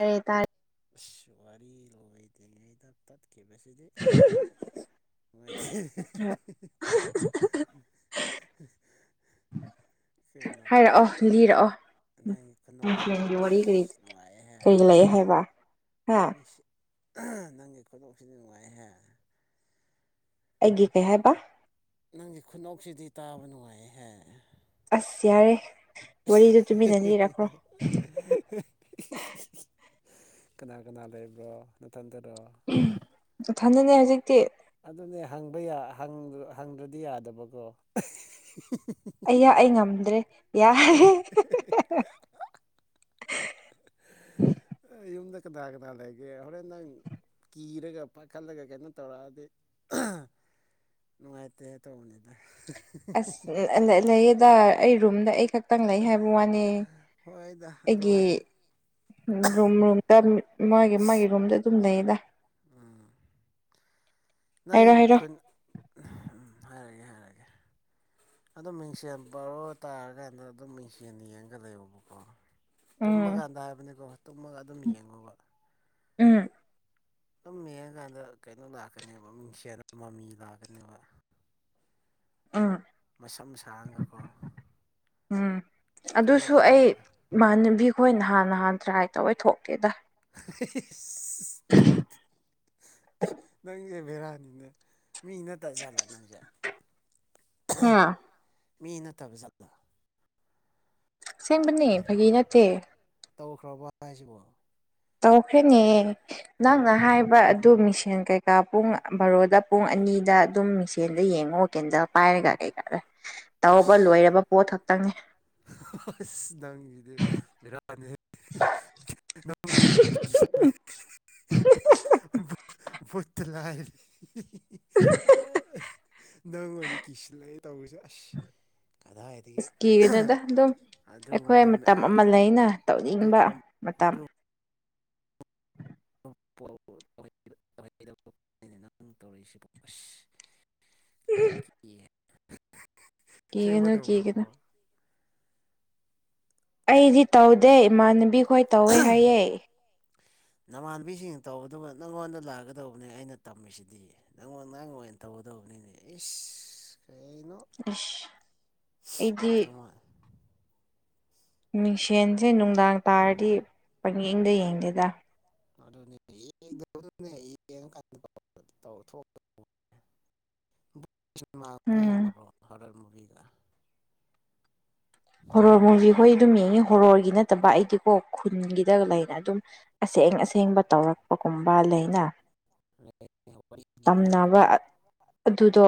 ꯍꯦ ꯇꯥꯔꯦ ꯑꯁ ꯋꯥꯔꯤ ꯂꯣꯏꯗ꯭ꯔꯤꯉꯩꯗ ꯇꯠꯈꯤꯕꯁꯤꯗꯤ [unintelligible] ꯅꯨꯡꯥꯏ [unintelligible] ꯍꯥꯏꯔꯛꯑꯣ ꯂꯤꯔꯛꯑꯣ ꯅꯪꯒꯤ ꯈꯨꯅꯣꯛꯁꯤꯗꯤ ꯅꯨꯡꯊꯤꯜꯒꯤ ꯋꯥꯔꯤ ꯑꯁ ꯀꯔꯤ ꯅꯨꯡꯉꯥꯏꯍꯦ ꯀꯔꯤ ꯂꯩꯑꯦ ꯍꯥꯏꯕ ꯍꯥ [unintelligible] ꯅꯪꯒꯤ ꯈꯨꯗꯣꯡꯁꯤꯗꯤ ꯅꯨꯡꯉꯥꯏꯍꯦ ꯑꯩꯒꯤ ꯀꯩ ꯍꯥꯏꯕ ꯅꯪꯒꯤ ꯈꯨꯅꯣꯛꯁꯤꯗꯤ ꯇꯥꯕ ꯅꯨꯡꯉꯥꯏꯍꯦ ꯑꯁ ꯌꯥꯔꯦ ꯋꯥꯔꯤꯗꯨ ꯇꯨꯃꯤꯟꯅ ꯂꯤꯔꯛꯈ꯭ꯔꯣ [unintelligible] ꯀꯅꯥ ꯀꯅꯥ ꯂꯩꯕ꯭ꯔꯣ ꯅꯠꯇꯟꯇꯔꯣ ꯏꯊꯟꯗꯅꯦ ꯍꯧꯖꯤꯛꯇꯤ ꯑꯗꯨꯅꯦ ꯍꯪꯕ ꯍꯪꯗ꯭ꯔꯗꯤ ꯌꯥꯗꯕꯀꯣ ꯑꯩꯌꯥ ꯑꯩ ꯉꯝꯗ꯭ꯔꯦ ꯌꯥ [unintelligible] [unintelligible] ꯌꯨꯝꯗ ꯀꯅꯥ ꯀꯅꯥ ꯂꯩꯒꯦ ꯍꯣꯔꯦꯟ ꯅꯪ ꯀꯤꯔꯒ ꯄꯥꯈꯠꯂꯒ ꯀꯩꯅꯣ ꯇꯧꯔꯛꯑꯗꯤ ꯅꯨꯡꯉꯥꯏꯇꯦ ꯇꯧꯕꯅꯤꯗ ꯑꯁ ꯂꯩꯌꯦꯗ ꯑꯩ ꯔꯨꯝꯗ ꯑꯩ ꯈꯛ ꯇꯪ ꯂꯩ ꯍꯥꯏꯕ ꯋꯥꯅꯤ ꯍꯣꯏꯗ ꯑꯗꯨ ꯑꯩꯒꯤ ꯑꯣꯏꯔ ꯔꯨꯝ ꯔꯨꯝꯗ ꯃꯥꯒꯤ ꯃꯥꯒꯤ ꯔꯨꯝꯗ ꯑꯗꯨꯝ ꯂꯩꯗ ꯎꯝ ꯅꯪꯒꯤ ꯍꯥꯏꯔꯣ ꯍꯥꯏꯔꯣ ꯑꯩꯈꯣꯏ ꯎ ꯍꯥꯏꯔꯒꯦ ꯍꯥꯏꯔꯑꯒꯦ ꯑꯗꯨꯝ ꯃꯤꯡꯁꯦꯜ ꯕꯥꯔꯣ ꯇꯥꯔꯀꯥꯟꯗ ꯑꯗꯨꯝ ꯃꯤꯡꯁꯦꯜ ꯌꯦꯡꯒ ꯂꯩꯌꯣꯕ ꯀꯣ ꯇꯨꯝꯕ ꯎꯝ ꯀꯥꯟꯗ ꯍꯥꯏꯕꯅꯤꯀꯣ ꯇꯨꯝꯃꯒ ꯑꯗꯨꯝ ꯌꯦꯡꯉꯣꯕ ꯎꯝ ꯑꯗꯨꯝ ꯌꯦꯡꯉꯀꯥꯟꯗ ꯀꯩꯅꯣ ꯂꯥꯛꯀꯅꯦꯕ ꯃꯤꯡꯁꯦꯜꯠꯅ ꯃꯃꯤ ꯂꯥꯛꯀꯅꯦꯕ ꯑ ꯃꯁꯝ ꯁꯥꯡꯒꯀꯣ ꯎꯝ ꯑꯗꯨꯁꯨ ꯑꯩ ꯊꯣꯛꯂꯛꯀꯅꯦꯕ ꯏꯃꯥꯟꯅꯕꯤ ꯑꯩꯈꯣꯏ ꯅꯍꯥꯟ ꯅꯍꯥꯟ ꯇ꯭ꯔꯥꯏ ꯇꯧꯋꯦ ꯊꯣꯛꯀꯦꯗ ꯑꯦ ꯅꯪꯁꯦ ꯕꯦꯔꯥꯅꯤꯅꯦ ꯃꯤ ꯅꯠꯇꯕ ꯖꯠꯂꯣ ꯅꯪꯁꯦ ꯍꯥ ꯃꯤ ꯅꯠꯇꯕ ꯖꯠꯂꯣ ꯁꯦꯝꯕꯅꯦ ꯐꯥꯒꯤ ꯅꯠꯇꯦ ꯇꯧꯈ꯭ꯔꯕ ꯍꯥꯏꯁꯤꯕꯣ ꯇꯧꯈ꯭ꯔꯅꯦ ꯅꯪꯅ ꯍꯥꯏꯕ ꯑꯗꯨ ꯃꯤꯡꯁꯦꯟ ꯀꯩꯀꯥ ꯄꯨꯡ ꯕꯥꯔꯣꯗ ꯄꯨꯡ ꯑꯅꯤꯗ ꯑꯗꯨꯝ ꯃꯤꯡꯁꯦꯟꯗ ꯌꯦꯡꯉꯣ ꯀꯦꯟꯖꯦꯜ ꯄꯥꯏꯔꯒ ꯀꯩꯀꯥ ꯇꯧꯕ ꯂꯣꯏꯔꯕ ꯄꯣꯠ ꯈꯛꯇꯪꯅꯤ [unintelligible] ꯅꯪꯁꯤꯗꯤ ꯕꯦꯔ [unintelligible] [inaudible] ꯄꯨꯨꯠꯇꯂꯥꯏ [unintelligible] ꯑ ꯅꯪ ꯑꯣꯏꯅ ꯀꯤꯁꯤꯜꯂꯛꯑꯦ ꯇꯧꯕꯔꯤꯁꯦ ꯑꯁ ꯀꯗꯥꯏꯗꯒꯤ ꯏꯁꯀꯤꯗꯨꯗ ꯑꯗꯨꯝ ꯑꯩꯈꯣꯏ ꯑꯗꯨꯒꯨꯝꯕ ꯃꯇꯝ ꯑꯃ ꯂꯩꯅ ꯇꯧꯅꯤꯡꯕ ꯑꯗꯨꯒꯨꯝꯕ ꯃꯇꯝ [unintelligible] ꯑꯁ ꯎ ꯁꯦꯡꯕ ꯀꯤꯒꯅꯨ ꯇꯧꯕ꯭ꯔꯕꯣ ꯑꯩꯗꯤ ꯇꯧꯗꯦ ꯏꯃꯥꯟꯅꯕꯤ ꯈꯣꯏ ꯇꯧꯋꯦ ꯍꯥꯏꯌꯦ ꯅꯃꯥꯟꯕꯤꯁꯤꯡ ꯇꯧꯕꯗꯨꯕꯨ ꯅꯪꯉꯣꯟꯗ ꯂꯥꯛꯒꯗꯧꯕꯅꯦ ꯑꯩꯅ ꯇꯝꯃꯤꯁꯤꯗꯤ ꯅꯪꯉꯣꯟ ꯑ ꯅꯥꯡ ꯑꯣꯏꯅ ꯇꯧꯒꯗꯧꯕꯅꯤꯅꯦ ꯏꯁ ꯀꯩꯅꯣ ꯑꯁ ꯑꯩꯗꯤ ꯅꯃꯥꯟ ꯃꯤꯡꯁꯦꯟꯁꯦ ꯅꯨꯡꯗꯥꯡ ꯇꯥꯔꯗꯤ ꯄꯪꯌꯦꯡꯗ ꯌꯦꯡꯗꯦꯗ [inaudible] ꯇꯧꯊ ꯎꯝ [unintelligible] ꯍꯔ ꯃꯨꯕꯤꯒ ꯍꯣꯔ ꯃꯨꯚꯤ ꯍꯣꯏ ꯑꯗꯨꯝ ꯌꯦꯡꯉꯤ ꯍꯣꯔꯒꯤ ꯅꯠꯇꯕ ꯑꯩꯗꯤꯀꯣ ꯈꯨꯟꯒꯤꯗ ꯂꯩꯅ ꯑꯗꯨꯝ ꯑꯁꯦꯡ ꯑꯁꯦꯡꯕ ꯇꯧꯔꯛꯄꯒꯨꯝꯕ ꯂꯩꯅ ꯋꯥꯔꯤ ꯂꯤꯕꯗꯣ ꯇꯝꯅꯕ ꯑꯗꯨꯗꯣ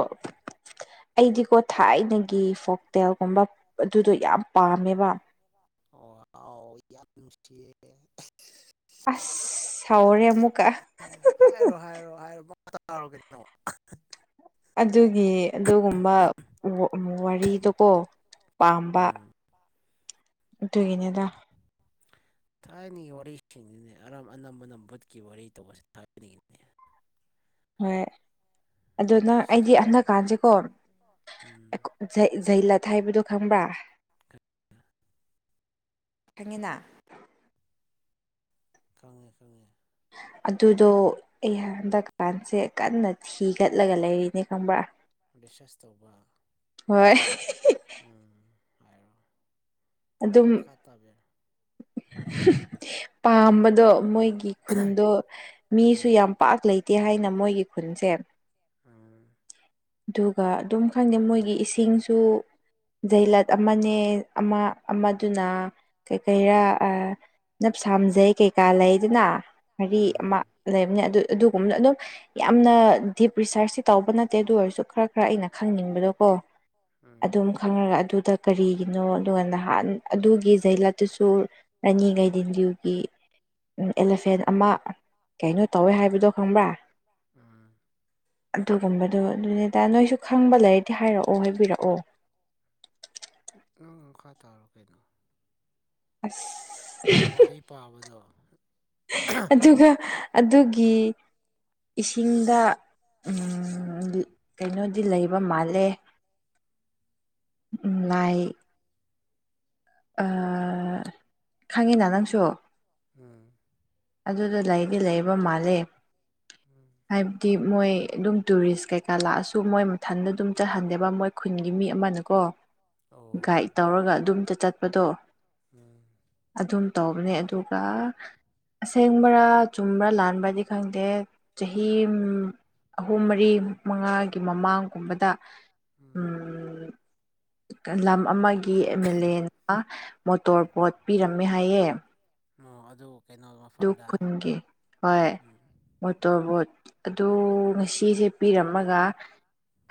ꯑꯩꯗꯤꯀꯣ ꯊꯥꯏꯅꯒꯤ ꯐꯣꯛꯇꯦꯜꯒꯨꯝꯕ ꯑꯗꯨꯗꯣ ꯌꯥꯝ ꯄꯥꯝꯃꯦꯕꯚ ꯑꯣ ꯌꯥꯁ ꯑꯁ ꯁꯥꯎꯔꯦ ꯑꯃꯨꯛꯀ ꯍꯥꯏꯔꯣ ꯍꯥꯏꯔꯣ ꯍꯥꯏꯔꯣ ꯇꯔꯒꯅꯣ ꯑꯗꯨꯒꯤ ꯑꯗꯨꯒꯨꯝꯕ ꯋꯥꯔꯤꯗꯨꯀꯣ ꯄꯥꯝꯕ ꯎꯝ ꯑꯗꯨꯒꯤꯅꯤꯗ ꯊꯥꯏꯅꯒꯤ ꯋꯥꯔꯤꯁꯤꯡꯗꯨꯅꯦ ꯑꯔꯝ ꯑꯅꯝꯕꯅ ꯚꯕꯨꯠꯀꯤ ꯋꯥꯔꯤ ꯇꯧꯕꯁꯦ ꯊꯥꯏꯅꯤꯡꯉꯤꯅꯦ ꯍꯣꯏ ꯑꯗꯨ ꯅꯪ ꯑꯁ ꯑꯩꯗꯤ ꯍꯟꯛꯀꯥꯟꯁꯦꯀꯣ ꯎꯝ ꯖꯩꯂꯠ ꯍꯥꯏꯕꯗꯣ ꯈꯪꯕ꯭ꯔꯥ ꯈꯪꯉꯤꯅ ꯈꯪꯉꯦ ꯈꯪꯉꯦ ꯑꯗꯨꯗꯣ ꯑꯩꯍ ꯍꯟꯗꯀꯥꯟꯁꯦ ꯀꯟꯅ ꯊꯤꯒꯠꯂꯒ ꯂꯩꯔꯤꯅꯦ ꯈꯪꯕ꯭ꯔꯥ ꯔꯤꯁꯔꯁ ꯇꯧꯕ ꯍꯣꯏ ꯎꯝ ꯍꯥꯏꯔꯣ ꯑꯗꯨꯝ ꯃꯈꯥ ꯇꯥꯕꯤꯔꯣ ꯄꯥꯝꯕꯗꯣ ꯃꯣꯏꯒꯤ ꯈꯨꯟꯗꯣ ꯃꯤꯁꯨ ꯎꯝ ꯌꯥꯝ ꯄꯥꯛ ꯂꯩꯇꯦ ꯍꯥꯏꯅ ꯃꯣꯏꯒꯤ ꯈꯨꯟꯁꯦ ꯑꯥ ꯑꯗꯨꯒ ꯑꯗꯨꯝ ꯈꯪꯗꯦ ꯃꯣꯏꯒꯤ ꯏꯁꯤꯡꯁꯨ ꯖꯩꯂꯠ ꯑꯃꯅꯦ ꯑꯃ ꯎꯝ ꯑꯃꯗꯨꯅ ꯀꯩꯀꯩꯔꯥ ꯅꯞꯁꯥꯝꯖꯩ ꯀꯩꯀꯥ ꯂꯩꯗꯅ ꯎꯝ ꯎꯝ ꯃꯔꯤ ꯑꯃ ꯂꯩꯕꯅꯦ ꯑꯗꯨ ꯑꯗꯨꯒꯨꯝꯕꯅ ꯑꯗꯨꯝ ꯌꯥꯝꯅ ꯗꯤꯞ ꯔꯤꯁꯥꯔꯁꯇꯤ ꯇꯧꯕ ꯅꯠꯇꯦ ꯑꯗꯨ ꯑꯣꯏꯔꯁꯨ ꯈꯔ ꯈꯔ ꯑꯩꯅ ꯈꯪꯅꯤꯡꯕꯗꯣ ꯀꯣ ꯀꯩꯅꯣ ꯇꯧꯋꯦ ꯍꯥꯏꯕꯗꯣ ꯑꯗꯨꯝ ꯈꯪꯉꯒ ꯑꯗꯨꯗ ꯀꯔꯤꯒꯤꯅꯣ ꯑꯗꯨꯒ ꯅꯍꯥꯟ ꯑꯗꯨꯒꯤ ꯖꯩꯂꯠꯇꯨꯁꯨ ꯔꯥꯅꯤꯉꯩꯗꯤꯟꯂꯤꯌꯨꯒꯤ ꯑꯦꯂꯤꯐꯦꯟ ꯑꯃ ꯀꯩꯅꯣ ꯇꯧꯋꯦ ꯍꯥꯏꯕꯗꯣ ꯈꯪꯕ꯭ꯔꯥ ꯎꯝ ꯑꯗꯨꯒꯨꯝꯕꯗꯣ ꯑꯗꯨꯅꯦꯗ ꯅꯣꯏꯁꯨ ꯈꯪꯕ ꯂꯩꯔꯗꯤ ꯍꯥꯏꯔꯛꯑꯣ ꯍꯥꯏꯕꯤꯔꯛꯑꯣ ꯅꯪ ꯃꯈꯥ ꯇꯥꯔꯣ ꯀꯩꯅꯣ ꯑꯁ ꯅꯪ ꯋꯥꯔꯤ ꯄꯥꯕꯗꯣ ꯑꯗꯨꯒ ꯑꯗꯨꯒꯤ ꯏꯁꯤꯡꯗ ꯎꯝ ꯀꯩꯅꯣꯗꯤ ꯂꯩꯕ ꯃꯥꯜꯂꯦ ꯎꯝ ꯂꯥꯏ ꯑ ꯈꯉꯤꯅ ꯅꯪꯁꯨ ꯎꯝ ꯑꯗꯨꯗ ꯂꯩꯗꯤ ꯂꯩꯕ ꯃꯥꯜꯂꯦ ꯎꯝ ꯍꯥꯏꯕꯗꯤ ꯃꯣꯏ ꯑꯗꯨꯝ ꯇꯨꯔꯤꯁ ꯀꯩꯀꯥ ꯂꯥꯛꯑꯁꯨ ꯃꯣꯏ ꯃꯊꯟꯗ ꯑꯗꯨꯝ ꯆꯠꯍꯟꯗꯦꯕ ꯃꯣꯏ ꯈꯨꯟꯒꯤ ꯃꯤ ꯑꯃꯅꯀꯣ ꯑꯣ ꯒꯥꯏꯗ ꯇꯧꯔꯒ ꯑꯗꯨꯝꯇ ꯆꯠꯄꯗꯣ ꯎꯝ ꯑꯗꯨꯝ ꯇꯧꯕꯅꯦ ꯑꯗꯨꯒ ꯑꯁꯦꯡꯕ꯭ꯔꯥ ꯆꯨꯝꯕ꯭ꯔꯥ ꯂꯥꯟꯕ꯭ꯔꯗꯤ ꯈꯪꯗꯦ ꯆꯍꯤ ꯑꯍꯨꯝ ꯃꯔꯤ ꯃꯉꯥꯒꯤ ꯃꯃꯥꯡꯒꯨꯝꯕꯗ ꯎꯝ ꯂꯝ ꯑꯃꯒꯤ M L A motor boat ꯄꯤꯔꯝꯃꯦ ꯍꯥꯏꯌꯦ ꯑꯣ ꯑꯗꯨ ꯀꯩꯅꯣ ꯑꯗꯨ ꯃꯐꯝꯗ ꯎꯝ ꯃꯣꯇꯣꯔꯕꯣꯠ ꯑꯗꯨ ꯉꯁꯤꯁꯦ ꯄꯤꯔꯝꯃꯒ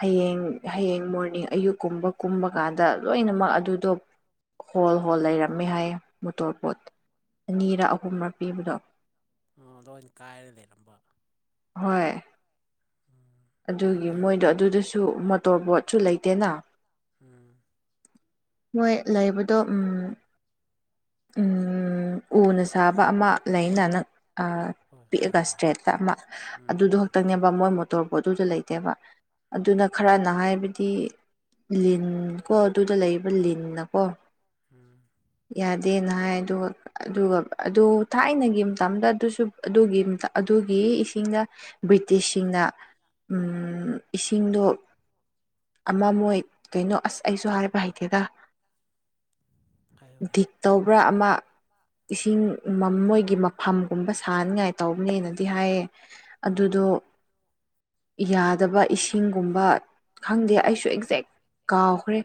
ꯍꯌꯦꯡ ꯍꯌꯦꯡ ꯃꯣꯔꯅꯤꯡ ꯑꯌꯨꯛ ꯀꯨꯝꯕ ꯀꯨꯝꯕ ꯀꯥꯟꯗ ꯂꯣꯏꯅꯃꯛ ꯑꯗꯨꯗꯣ ꯍꯣꯜ ꯍꯣꯜ ꯂꯩꯔꯝꯃꯦ ꯍꯥꯏꯌꯦ ꯃꯣꯇꯣꯔ ꯄꯣꯠ ꯑꯅꯤꯔ ꯑꯍꯨꯝꯔ ꯄꯤꯕꯗꯣ ꯑꯣ ꯂꯣꯏꯅ ꯀꯥꯏꯔꯒ ꯂꯩꯔꯝꯕ ꯍꯣꯏ ꯎꯝ ꯑꯗꯨ ꯑꯗꯨꯒꯤ ꯀꯩ ꯃꯣꯏꯗꯣ ꯑꯗꯨꯗꯁꯨ ꯃꯣꯇꯣꯔꯕꯣꯠꯁꯨ ꯂꯩꯇꯦꯅ ꯎꯝ ꯃꯣꯏ ꯂꯩꯕꯗꯣ ꯎ ꯎ ꯎꯅ ꯁꯥꯕ ꯑꯃ ꯂꯩꯅ ꯅꯪ ꯍꯣꯏ ꯍꯣꯏ ꯄꯤꯛꯑꯒ ꯍꯣꯏ ꯏꯁꯇ꯭ꯔꯦꯠꯇ ꯑꯃ ꯎꯝ ꯑꯗꯨꯗꯣ ꯈꯛꯇꯪꯅꯦ ꯃꯣꯏ ꯃꯣꯇꯣꯔ ꯕꯣꯠꯇꯨꯗ ꯂꯩꯇꯦꯕ ꯎꯝ ꯑꯗꯨꯅ ꯈꯔꯅ ꯍꯥꯏꯕꯗꯤ ꯂꯤꯟ ꯀꯣ ꯑꯗꯨꯗ ꯂꯩꯕ ꯂꯤꯟꯅꯀꯣ ꯎꯝ ꯌꯥꯗꯦꯅ ꯍꯥꯏ ꯑꯗꯨꯒ ꯑꯗꯨꯒ ꯑꯗꯨ ꯊꯥꯏꯅꯒꯤ ꯃꯇꯝꯗ ꯑꯗꯨꯁꯨ ꯑꯗꯨꯒꯤ ꯑꯗꯨꯒꯤ ꯏꯁꯤꯡꯅ ꯕ꯭ꯔꯤꯇꯤꯁꯁꯤꯡꯅ ꯏꯁꯤꯡꯗꯣ ꯑꯃ ꯃꯣꯏ ꯀꯩꯅꯣ ꯑꯁ ꯑꯩꯁꯨ ꯍꯥꯏꯕ ꯍꯩꯇꯦꯗ ꯍꯥꯏꯌꯣ ꯍꯥꯏꯌꯣ ꯗꯤꯛ ꯇꯧꯕ꯭ꯔꯥ ꯑꯃ ꯏꯁꯤꯡ ꯃꯣꯏꯒꯤ ꯃꯐꯝꯒꯨꯝꯕ ꯁꯥꯅꯤꯡꯉꯥꯏ ꯇꯧꯕꯅꯤꯗꯤ ꯍꯥꯏꯌꯦ ꯎꯝ ꯑꯗꯨꯗꯣ ꯌꯥꯗꯕ ꯏꯁꯤꯡꯒꯨꯝꯕ ꯈꯪꯗꯦ ꯑꯩꯁꯨ ꯑꯦꯛꯖꯦꯛ ꯀꯥꯎꯈ꯭ꯔꯦ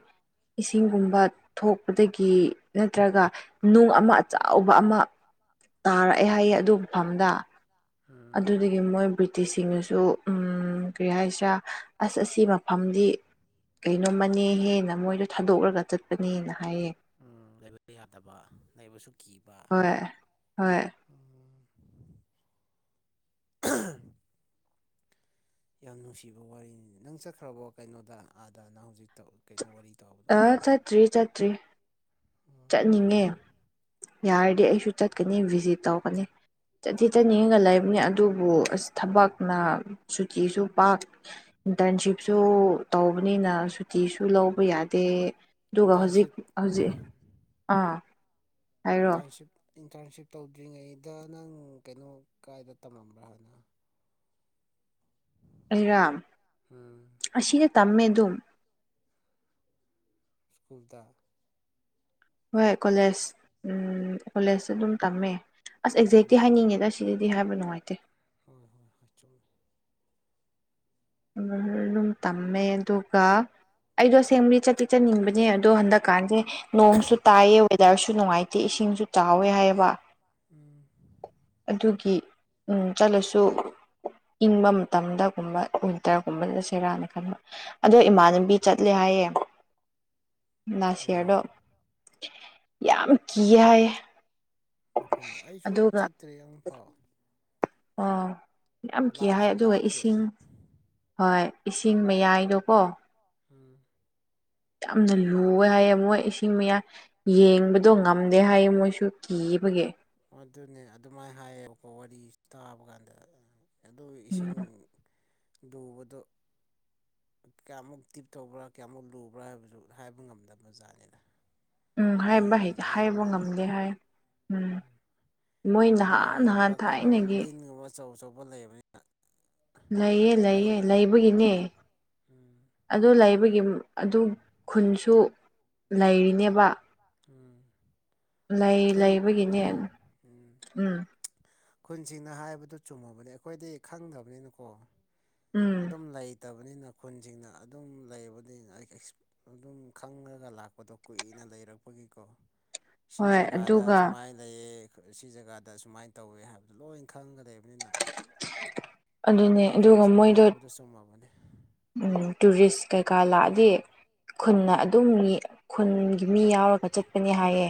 ꯏꯁꯤꯡꯒꯨꯝꯕ ꯊꯣꯛꯄꯗꯒꯤ ꯅꯠꯇ꯭ꯔꯒ ꯅꯨꯡ ꯑꯃ ꯑꯆꯥꯎꯕ ꯑꯃ ꯇꯥꯔꯛꯑꯦ ꯍꯥꯏꯌꯦ ꯑꯗꯨ ꯃꯐꯝꯗ ꯎꯝ ꯑꯗꯨꯗꯒꯤ ꯃꯣꯏ ꯇꯤꯁꯤꯡꯅꯁꯨ ꯀꯔꯤ ꯍꯥꯏꯁꯤꯔꯥ ꯑꯁ ꯑꯁꯤ ꯃꯐꯝꯗꯤ ꯀꯩꯅꯣꯝꯃꯅꯦ ꯍꯦ ꯅꯃꯣꯏꯗꯣ ꯊꯥꯗꯣꯛꯂꯒ ꯆꯠꯄꯅꯦꯅ ꯍꯥꯏꯌꯦ ꯎ ꯂꯩꯕ ꯌꯥꯗꯕ ꯂꯩꯕꯁꯨ ꯀꯤꯕ ꯍꯣꯏ ꯍꯣꯏ ꯎꯝ ꯌꯥꯝ ꯅꯨꯡꯁꯤꯕ ꯋꯥꯔꯤꯅꯤ ꯅꯪ ꯆꯠꯈ꯭ꯔꯕ ꯀꯩꯅꯣꯗ ꯑꯥꯗ ꯅꯪ ꯍꯧꯖꯤꯛ ꯀꯩꯅꯣ ꯋꯥꯔꯤ ꯇꯧꯕꯗꯣ ꯔꯤ ꯎꯝ ꯆꯠꯅꯤꯡꯉꯦ ꯌꯥꯔꯗꯤ ꯑꯩꯁꯨ ꯆꯠꯀꯅꯤ ꯚꯤꯖꯤꯠ ꯇꯧꯒꯅꯤ ꯆꯠꯇꯤ ꯆꯠꯅꯤꯡꯉꯒ ꯂꯩꯕꯅꯦ ꯑꯗꯨꯕꯨ ꯑꯁ ꯊꯕꯛꯅ ꯀꯤꯁꯨ ꯄꯥꯛ ꯏꯟꯇꯔꯟꯁꯤꯞꯁꯨ ꯇꯧꯕꯅꯤꯅ ꯇꯤꯁꯨ ꯂꯧꯕ ꯌꯥꯗꯦ ꯑꯗꯨꯒ ꯍꯧꯖꯤꯛ ꯏꯟꯇꯔꯟꯁꯤꯞ ꯍꯧꯖꯤꯛ ꯑꯥ ꯍꯥꯏꯔꯣ ꯏꯟꯇꯔꯟꯁꯤꯞ ꯏꯟꯇꯔꯟꯁꯤꯞ ꯇꯧꯗ꯭ꯔꯤꯉꯩꯗ ꯅꯪ ꯀꯩꯅꯣ ꯀꯥꯏꯗ ꯇꯝꯂꯝꯝꯕ꯭ꯔꯥ ꯍꯥꯟꯅ ꯑꯩꯔꯣ ꯎꯝ ꯑꯁꯤꯗ ꯇꯝꯃꯦ ꯑꯗꯨꯝ ꯁ꯭ꯀꯨꯜꯗ ꯍꯣꯏ ꯀꯣꯂꯦꯖ ꯀꯣꯂꯦꯖꯇ ꯑꯗꯨꯝ ꯇꯝꯃꯦ ꯑꯁ ꯎꯝ ꯑꯦꯛꯖꯦꯤ ꯍꯥꯏꯅꯤꯡꯉꯦꯗ ꯁꯤꯗꯗꯤ ꯍꯥꯏꯕ ꯅꯨꯡꯉꯥꯏꯇꯦ ꯍꯣꯏ ꯍꯣꯏ ꯍꯣꯏ ꯆꯨꯝꯃꯦ ꯑꯗꯨꯝ ꯇꯝꯃꯦ ꯑꯗꯨꯒ ꯑꯩꯗꯣ ꯁꯦꯡꯕꯗꯤ ꯆꯠꯇꯤ ꯆꯠꯅꯤꯡꯕꯅꯦ ꯑꯗꯣ ꯍꯟꯗꯛꯀꯥꯟꯁꯦ ꯅꯣꯡꯁꯨ ꯇꯥꯏꯌꯦ ꯋꯦꯗꯔꯁꯨ ꯅꯨꯡꯉꯥꯏꯇꯦ ꯏꯁꯤꯡꯁꯨ ꯆꯥꯎꯋꯦ ꯍꯥꯏꯌꯦꯕ ꯎꯝ ꯑꯗꯨꯒꯤ ꯎ ꯆꯠꯂꯁꯨ ꯏꯪꯕ ꯃꯇꯝꯗꯒꯨꯝꯕ ꯋꯤꯟꯇꯔꯒꯨꯝꯕꯗ ꯁꯦꯔꯥꯅ ꯈꯟꯕ ꯑꯗꯣ ꯎꯝ ꯏꯃꯥꯟꯅꯕꯤ ꯆꯠꯂꯦ ꯍꯥꯏꯌꯦ ꯂꯥꯁ ꯌꯌꯥꯔꯗꯣ ꯑꯣ ꯌꯥꯝ ꯀꯤ ꯍꯥꯏꯌꯦ ꯃꯐꯝꯗꯣ ꯑꯩꯁꯨ ꯑꯗꯨꯒ ꯆꯠꯇ꯭ꯔꯦ ꯑꯃꯛ ꯐꯥꯎ ꯑꯣ ꯌꯥꯝ ꯀꯤ ꯍꯥꯏ ꯂꯥꯞꯁꯨ ꯑꯗꯨꯒ ꯂꯥꯞꯄꯦ ꯏꯁꯤꯡ ꯍꯣꯏ ꯏꯁꯤꯡ ꯃꯌꯥꯏꯗꯣꯀꯣ ꯎꯝ ꯌꯥꯝꯅ ꯂꯨꯋꯦ ꯍꯥꯏꯌꯦ ꯃꯣꯏ ꯆꯤꯡ ꯃꯌꯥ ꯌꯦꯡꯕꯗꯣ ꯉꯝꯗꯦ ꯍꯥꯏꯌꯦ ꯃꯣꯏꯁꯨ ꯀꯤꯕꯒꯤ꯫ ꯑꯗꯨꯅꯦ ꯑꯗꯨꯃꯥꯏ ꯍꯥꯏꯌꯦꯕꯀꯣ ꯋꯥꯔꯤꯁꯤ ꯇꯥꯕ ꯀꯥꯟꯗ ꯑꯗꯨ ꯎꯝ ꯏꯁꯤꯡ ꯂꯨꯕꯗꯣ ꯀꯌꯥꯃꯨꯛ ꯗꯤꯞ ꯇꯧꯕ꯭ꯔꯥ ꯀꯌꯥꯃꯨꯛ ꯂꯨꯕ꯭ꯔꯥ ꯍꯥꯏꯕꯁꯨ ꯍꯥꯏꯕ ꯉꯝꯗꯕ ꯖꯥꯠꯅꯤꯗ꯫ ꯎꯝ ꯍꯥꯏꯕ ꯌꯦꯡꯁꯨ ꯌꯦꯡꯕ ꯍꯥꯏꯕ ꯉꯝꯗꯦ ꯍꯥꯏ ꯎꯝ꯫ ꯃꯣꯏ ꯅꯍꯥꯟ ꯅꯍꯥꯟ ꯂꯥꯏꯒꯨꯝꯕ ꯀꯩꯅꯣ ꯊꯥꯏꯅꯒꯤ ꯂꯤꯟꯒꯨꯝꯕ ꯑꯆꯧ ꯑꯆꯧꯕ ꯂꯩꯕꯅꯤꯅ꯫ ꯂꯩꯌꯦ - ꯂꯩꯌꯦ ꯂꯩꯕꯒꯤꯅꯦ꯫ ꯎꯝ ꯑꯗꯨ ꯂꯩꯕꯒꯤ ꯑꯗꯨ ꯈꯨꯟꯁꯨ ꯂꯩꯔꯤꯅꯦꯕ꯫ ꯎꯝ ꯂꯩ ꯈꯨꯟ ꯂꯩꯕꯒꯤꯅꯦ ꯎꯝ ꯎꯝ ꯈꯨꯟꯁꯤꯡꯅ ꯍꯥꯏꯕꯗꯨ ꯆꯨꯝꯃꯕꯅꯤ ꯑꯩꯈꯣꯏꯗꯤ ꯈꯪꯗꯕꯅꯤꯅꯀꯣ ꯎꯝ ꯑꯗꯨꯝ ꯂꯩꯇꯕꯅꯤꯅ ꯈꯨꯟꯁꯤꯡꯅ ꯑꯗꯨꯝ ꯂꯩꯕꯅꯤꯅ ꯑꯩ ꯑꯗꯨꯝ ꯈꯪꯉꯒ ꯂꯥꯛꯄꯗꯣ ꯀꯨꯏꯅ ꯂꯩꯔꯛꯄꯒꯤꯀꯣ꯫ ꯍꯣꯏ ꯁꯤꯖꯒꯥꯗ ꯑꯗꯨꯒ ꯁꯨꯃꯥꯏꯅ ꯂꯩꯌꯦ ꯁꯤ ꯖꯒꯥꯗ ꯁꯨꯃꯥꯏꯅ ꯇꯧꯋꯦ ꯍꯥꯏꯕꯗꯣ ꯂꯣꯏ ꯈꯪꯉ ꯂꯩꯕꯅꯤꯅ ꯑꯗꯨꯅꯦ ꯑꯗꯨꯒ ꯃꯣꯏꯈꯨꯟꯁꯤꯡꯅ ꯃꯣꯏꯗꯣ ꯍꯥꯏꯕꯗꯨ ꯆꯨꯝꯃꯕꯅꯤ꯫ ꯇꯨꯔꯤꯁ ꯀꯩꯀꯥ ꯂꯥꯛꯑꯗꯤ ꯈꯨꯟꯅ ꯎꯝ ꯑꯗꯨꯝ ꯈꯨꯟꯒꯤ ꯃꯤ ꯌꯥꯎꯔꯒ ꯆꯠꯄꯅꯤ ꯍꯥꯏꯌꯦ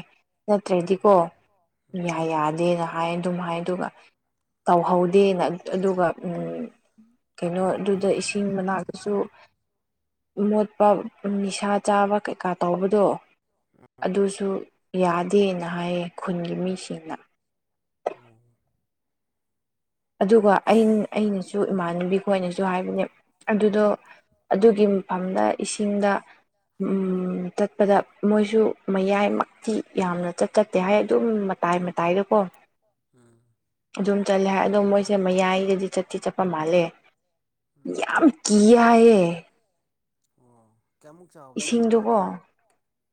ꯎꯝ ꯅꯠꯇ꯭ꯔꯗꯤꯀꯣ ꯎꯝ ꯌꯥ ꯅ ꯍꯥꯏ ꯑꯗꯨꯝ ꯍꯥꯏ ꯑꯗꯨꯒ ꯇꯧꯍꯧꯗꯦꯅ ꯑꯗꯨꯒ ꯀꯩꯅꯣ ꯑꯗꯨꯗ ꯏꯁꯤꯡ ꯃꯅꯥꯛꯇꯁꯨ ꯃꯣꯠ ꯄ ꯅꯤꯁꯥ ꯆꯥꯕ ꯀꯩꯀꯥ ꯇꯧꯕꯗꯣ ꯎꯝ ꯑꯗꯨꯁꯨ ꯌꯥꯗꯦꯅ ꯍꯥꯏꯌꯦ ꯈꯨꯟꯒꯤ ꯃꯤꯁꯤꯡꯅ꯫ ꯑꯣ ꯑꯗꯨꯒ ꯑꯩ ꯑꯩꯅꯁꯨ ꯏꯃꯥꯟꯅꯕꯤ ꯈꯣꯏꯅꯁꯨ ꯍꯥꯏꯕꯅꯦ ꯑꯗꯨꯗꯣ ꯑꯗꯨꯒꯤ ꯃꯐꯝꯗ ꯏꯁꯤꯡꯗ ꯎꯝ ꯆꯠꯄꯗ ꯃꯣꯏꯁꯨ ꯃꯌꯥꯏꯃꯛꯇꯤ ꯌꯥꯝꯅ ꯆꯠ ꯆꯠꯇꯦ ꯍꯥꯏ ꯑꯗꯨꯝ ꯃꯇꯥꯏ ꯃꯇꯥꯏꯗꯀꯣ [inaudible] ꯎꯝ ꯑꯗꯨꯝ ꯆꯠꯂꯦ ꯍꯥꯏ ꯑꯗꯣ ꯃꯣꯏꯁꯦ ꯃꯌꯥꯏꯒꯗꯤ ꯆꯠꯇꯤ ꯆꯠꯄ ꯃꯥꯜꯂꯦ꯫ ꯎꯝ ꯌꯥꯝ ꯀꯤꯌꯦ ꯍꯥꯏꯌꯦ꯫ ꯑꯣ ꯀꯌꯥꯃꯨꯛ ꯆꯥꯎꯕ ꯖꯥꯠꯂꯀꯣ ꯏꯁꯤꯡꯗꯨꯀꯣ ꯑꯗꯣ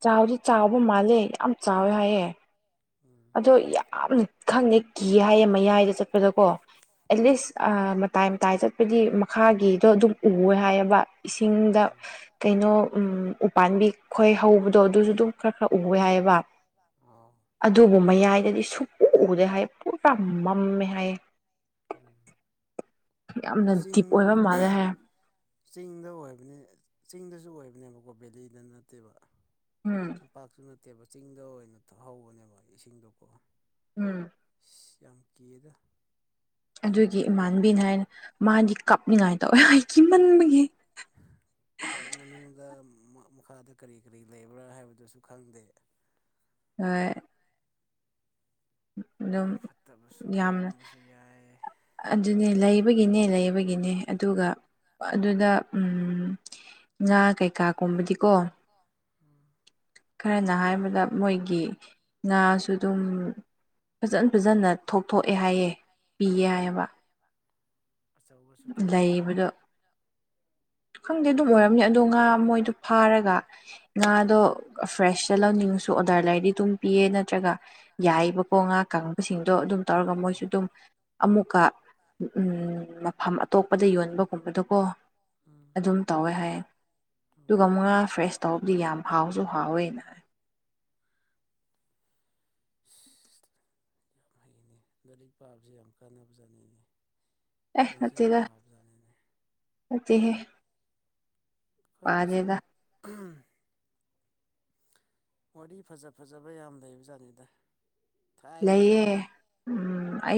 ꯆꯥꯎꯗꯤ ꯆꯥꯎꯕ ꯃꯥꯜꯂꯦ ꯌꯥꯝ ꯆꯥꯎꯋꯦ ꯍꯥꯏꯌꯦ꯫ ꯎꯝ ꯑꯗꯣ ꯌꯥꯝꯅ ꯈꯪꯗꯦ ꯀꯤꯌꯦ ꯍꯥꯏꯌꯦ ꯃꯌꯥꯏꯗ ꯆꯠꯄꯗꯀꯣ ꯑꯦꯠꯂꯤꯁ ꯃꯇꯥꯏ ꯃꯇꯥꯏ ꯆꯠꯄꯗꯤ ꯃꯈꯥꯒꯤ ꯇꯣ ꯑꯗꯨꯝ ꯎꯋꯦ ꯍꯥꯏꯌꯦꯕ ꯏꯁꯤꯡꯗ ꯀꯩꯅꯣ ꯎꯝ ꯄꯥꯝꯕꯤ ꯈꯣꯏ ꯍꯧꯕꯗꯣ ꯑꯗꯨꯁꯨ ꯑꯗꯨꯝ ꯈꯔ ꯈꯔ ꯎꯏ ꯍꯥꯏꯑꯕ ꯑꯣ ꯑꯗꯨꯕꯨ ꯃꯌꯥꯏꯗꯗꯤ ꯁꯨꯛꯎ ꯎꯗꯦ ꯍꯥꯏ ꯄꯨꯔꯥ ꯃꯝꯃꯦ ꯍꯥꯏꯌꯦ꯫ ꯎꯝ ꯌꯥꯝꯅ ꯆꯤꯡ ꯗꯤꯞ ꯑꯣꯏꯕ ꯃꯥꯜꯂꯦ ꯍꯥꯏ ꯆꯤꯡꯗ ꯑꯣꯏꯕꯅꯦ ꯆꯤꯡꯗꯁꯨ ꯑꯣꯏꯕꯅꯦꯕꯀꯣ ꯕꯦꯂꯤꯗ ꯅꯠꯇꯦꯕ꯫ ꯎꯝ ꯇꯝꯄꯥꯛꯁꯨ ꯅꯠꯇꯦꯕ ꯆꯤꯡꯗ ꯑꯣꯏꯅꯍꯧꯕꯅꯦꯕ ꯏꯁꯤꯡꯗꯀꯣ ꯎꯝ ꯏꯁ ꯌꯥꯝ ꯀꯤꯗ! ꯑꯗꯨꯒꯤ ꯏꯃꯥꯟꯕꯤꯅ ꯍꯥꯏꯅ ꯃꯥꯗꯤ ꯀꯞꯅꯤꯡꯉꯥꯏ ꯇꯧꯋ ꯍꯥꯏ ꯀꯤꯃꯟꯕꯒꯤ꯫ ꯃꯅꯨꯡꯗ ꯃꯈꯥꯗ ꯀꯔꯤ- ꯀꯔꯤ ꯂꯩꯕ꯭ꯔꯥ ꯍꯥꯏꯕꯗꯨꯁꯨ ꯈꯪꯗꯦ꯫ ꯍꯣꯏ ꯑꯗꯨꯝ ꯐꯠꯇꯕꯁꯨ ꯌꯥꯝꯅ ꯂꯩꯔꯝꯕꯁꯨ ꯌꯥꯏ ꯑꯗꯨꯅꯦ ꯂꯩꯕꯒꯤꯅꯦ ꯂꯩꯕꯒꯤ ꯒꯤꯅꯦ ꯑꯗꯨꯒ ꯑꯗꯨꯗ ꯉꯥ ꯉ ꯀꯩꯀꯥ ꯀꯣ ꯀꯩꯀꯥꯒꯨꯝꯕꯗꯤꯀꯣ ꯎ ꯈꯔꯅ ꯍꯥꯏꯕꯗ ꯃꯣꯏꯒꯤ ꯉꯥꯁꯨ ꯑꯗꯨꯝ ꯐꯖꯅ ꯐꯖꯅ ꯊꯣꯛꯊꯣꯛꯑꯦ ꯍꯥꯏꯌꯦꯦ ꯄꯤꯌꯦ ꯍꯥꯏꯕ ꯑꯆꯧꯕꯁꯨ ꯊꯣꯛꯄ ꯂꯩꯕꯗꯣ ꯈꯪꯗꯦ ꯑꯗꯨꯝ ꯑꯣꯏꯔ ꯑꯗꯣ ꯉꯥ ꯃꯣꯏꯗꯣ ꯐꯥꯔꯒ ꯉꯥꯗꯣ ꯐ꯭ꯔꯦꯁꯇ ꯂꯧꯅꯤꯡꯉꯁꯨ ꯑꯣꯗꯔ ꯂꯩꯔꯗꯤ ꯑꯗꯨꯝ ꯄꯤꯌꯦ ꯅꯠꯇ꯭ꯔꯒ ꯌꯥꯏꯕꯀꯣ ꯉꯥ ꯀꯪꯕꯁꯤꯡꯗꯣ ꯑꯗꯨꯝ ꯇꯧꯔꯒ ꯎꯝ ꯃꯣꯏꯁꯨ ꯑꯗꯨꯝ ꯑꯃꯨꯛꯀ ꯝ ꯑꯇꯣꯞꯄꯗ ꯌꯣꯟꯕꯒꯨꯝꯕꯗꯣꯀꯣ ꯑꯗꯨꯝ ꯇꯧꯋꯦ ꯍꯥꯏꯌꯦ ꯎꯝ ꯑꯗꯨꯒ ꯃꯨꯛꯉꯥ ꯐ꯭ꯔꯦꯁ ꯇꯧꯕꯕꯨꯗꯤ ꯌꯥꯝ ꯍꯥꯎꯁꯨ ꯍꯥꯎꯋꯦꯅ ꯌꯥꯝ ꯍꯩꯅꯦ ꯂꯥꯏꯔꯤꯛ ꯄꯥꯕꯁꯤꯦ ꯌꯥꯝ ꯀꯥꯟꯅꯕ ꯆꯥꯅꯤꯡꯉꯤ ꯑꯦ ꯅꯠꯇꯒ ꯅꯠꯇꯍꯦ ꯑꯩꯈꯣꯏꯁꯦ ꯋꯥꯔꯤ ꯐꯖ ꯐꯖꯕ ꯌꯥꯝ ꯂꯩꯕ ꯖꯥꯠꯅꯤꯗ ꯂꯩꯌꯦ ꯊꯥꯏꯅꯒꯤꯀꯣ ꯎꯝ ꯑꯩ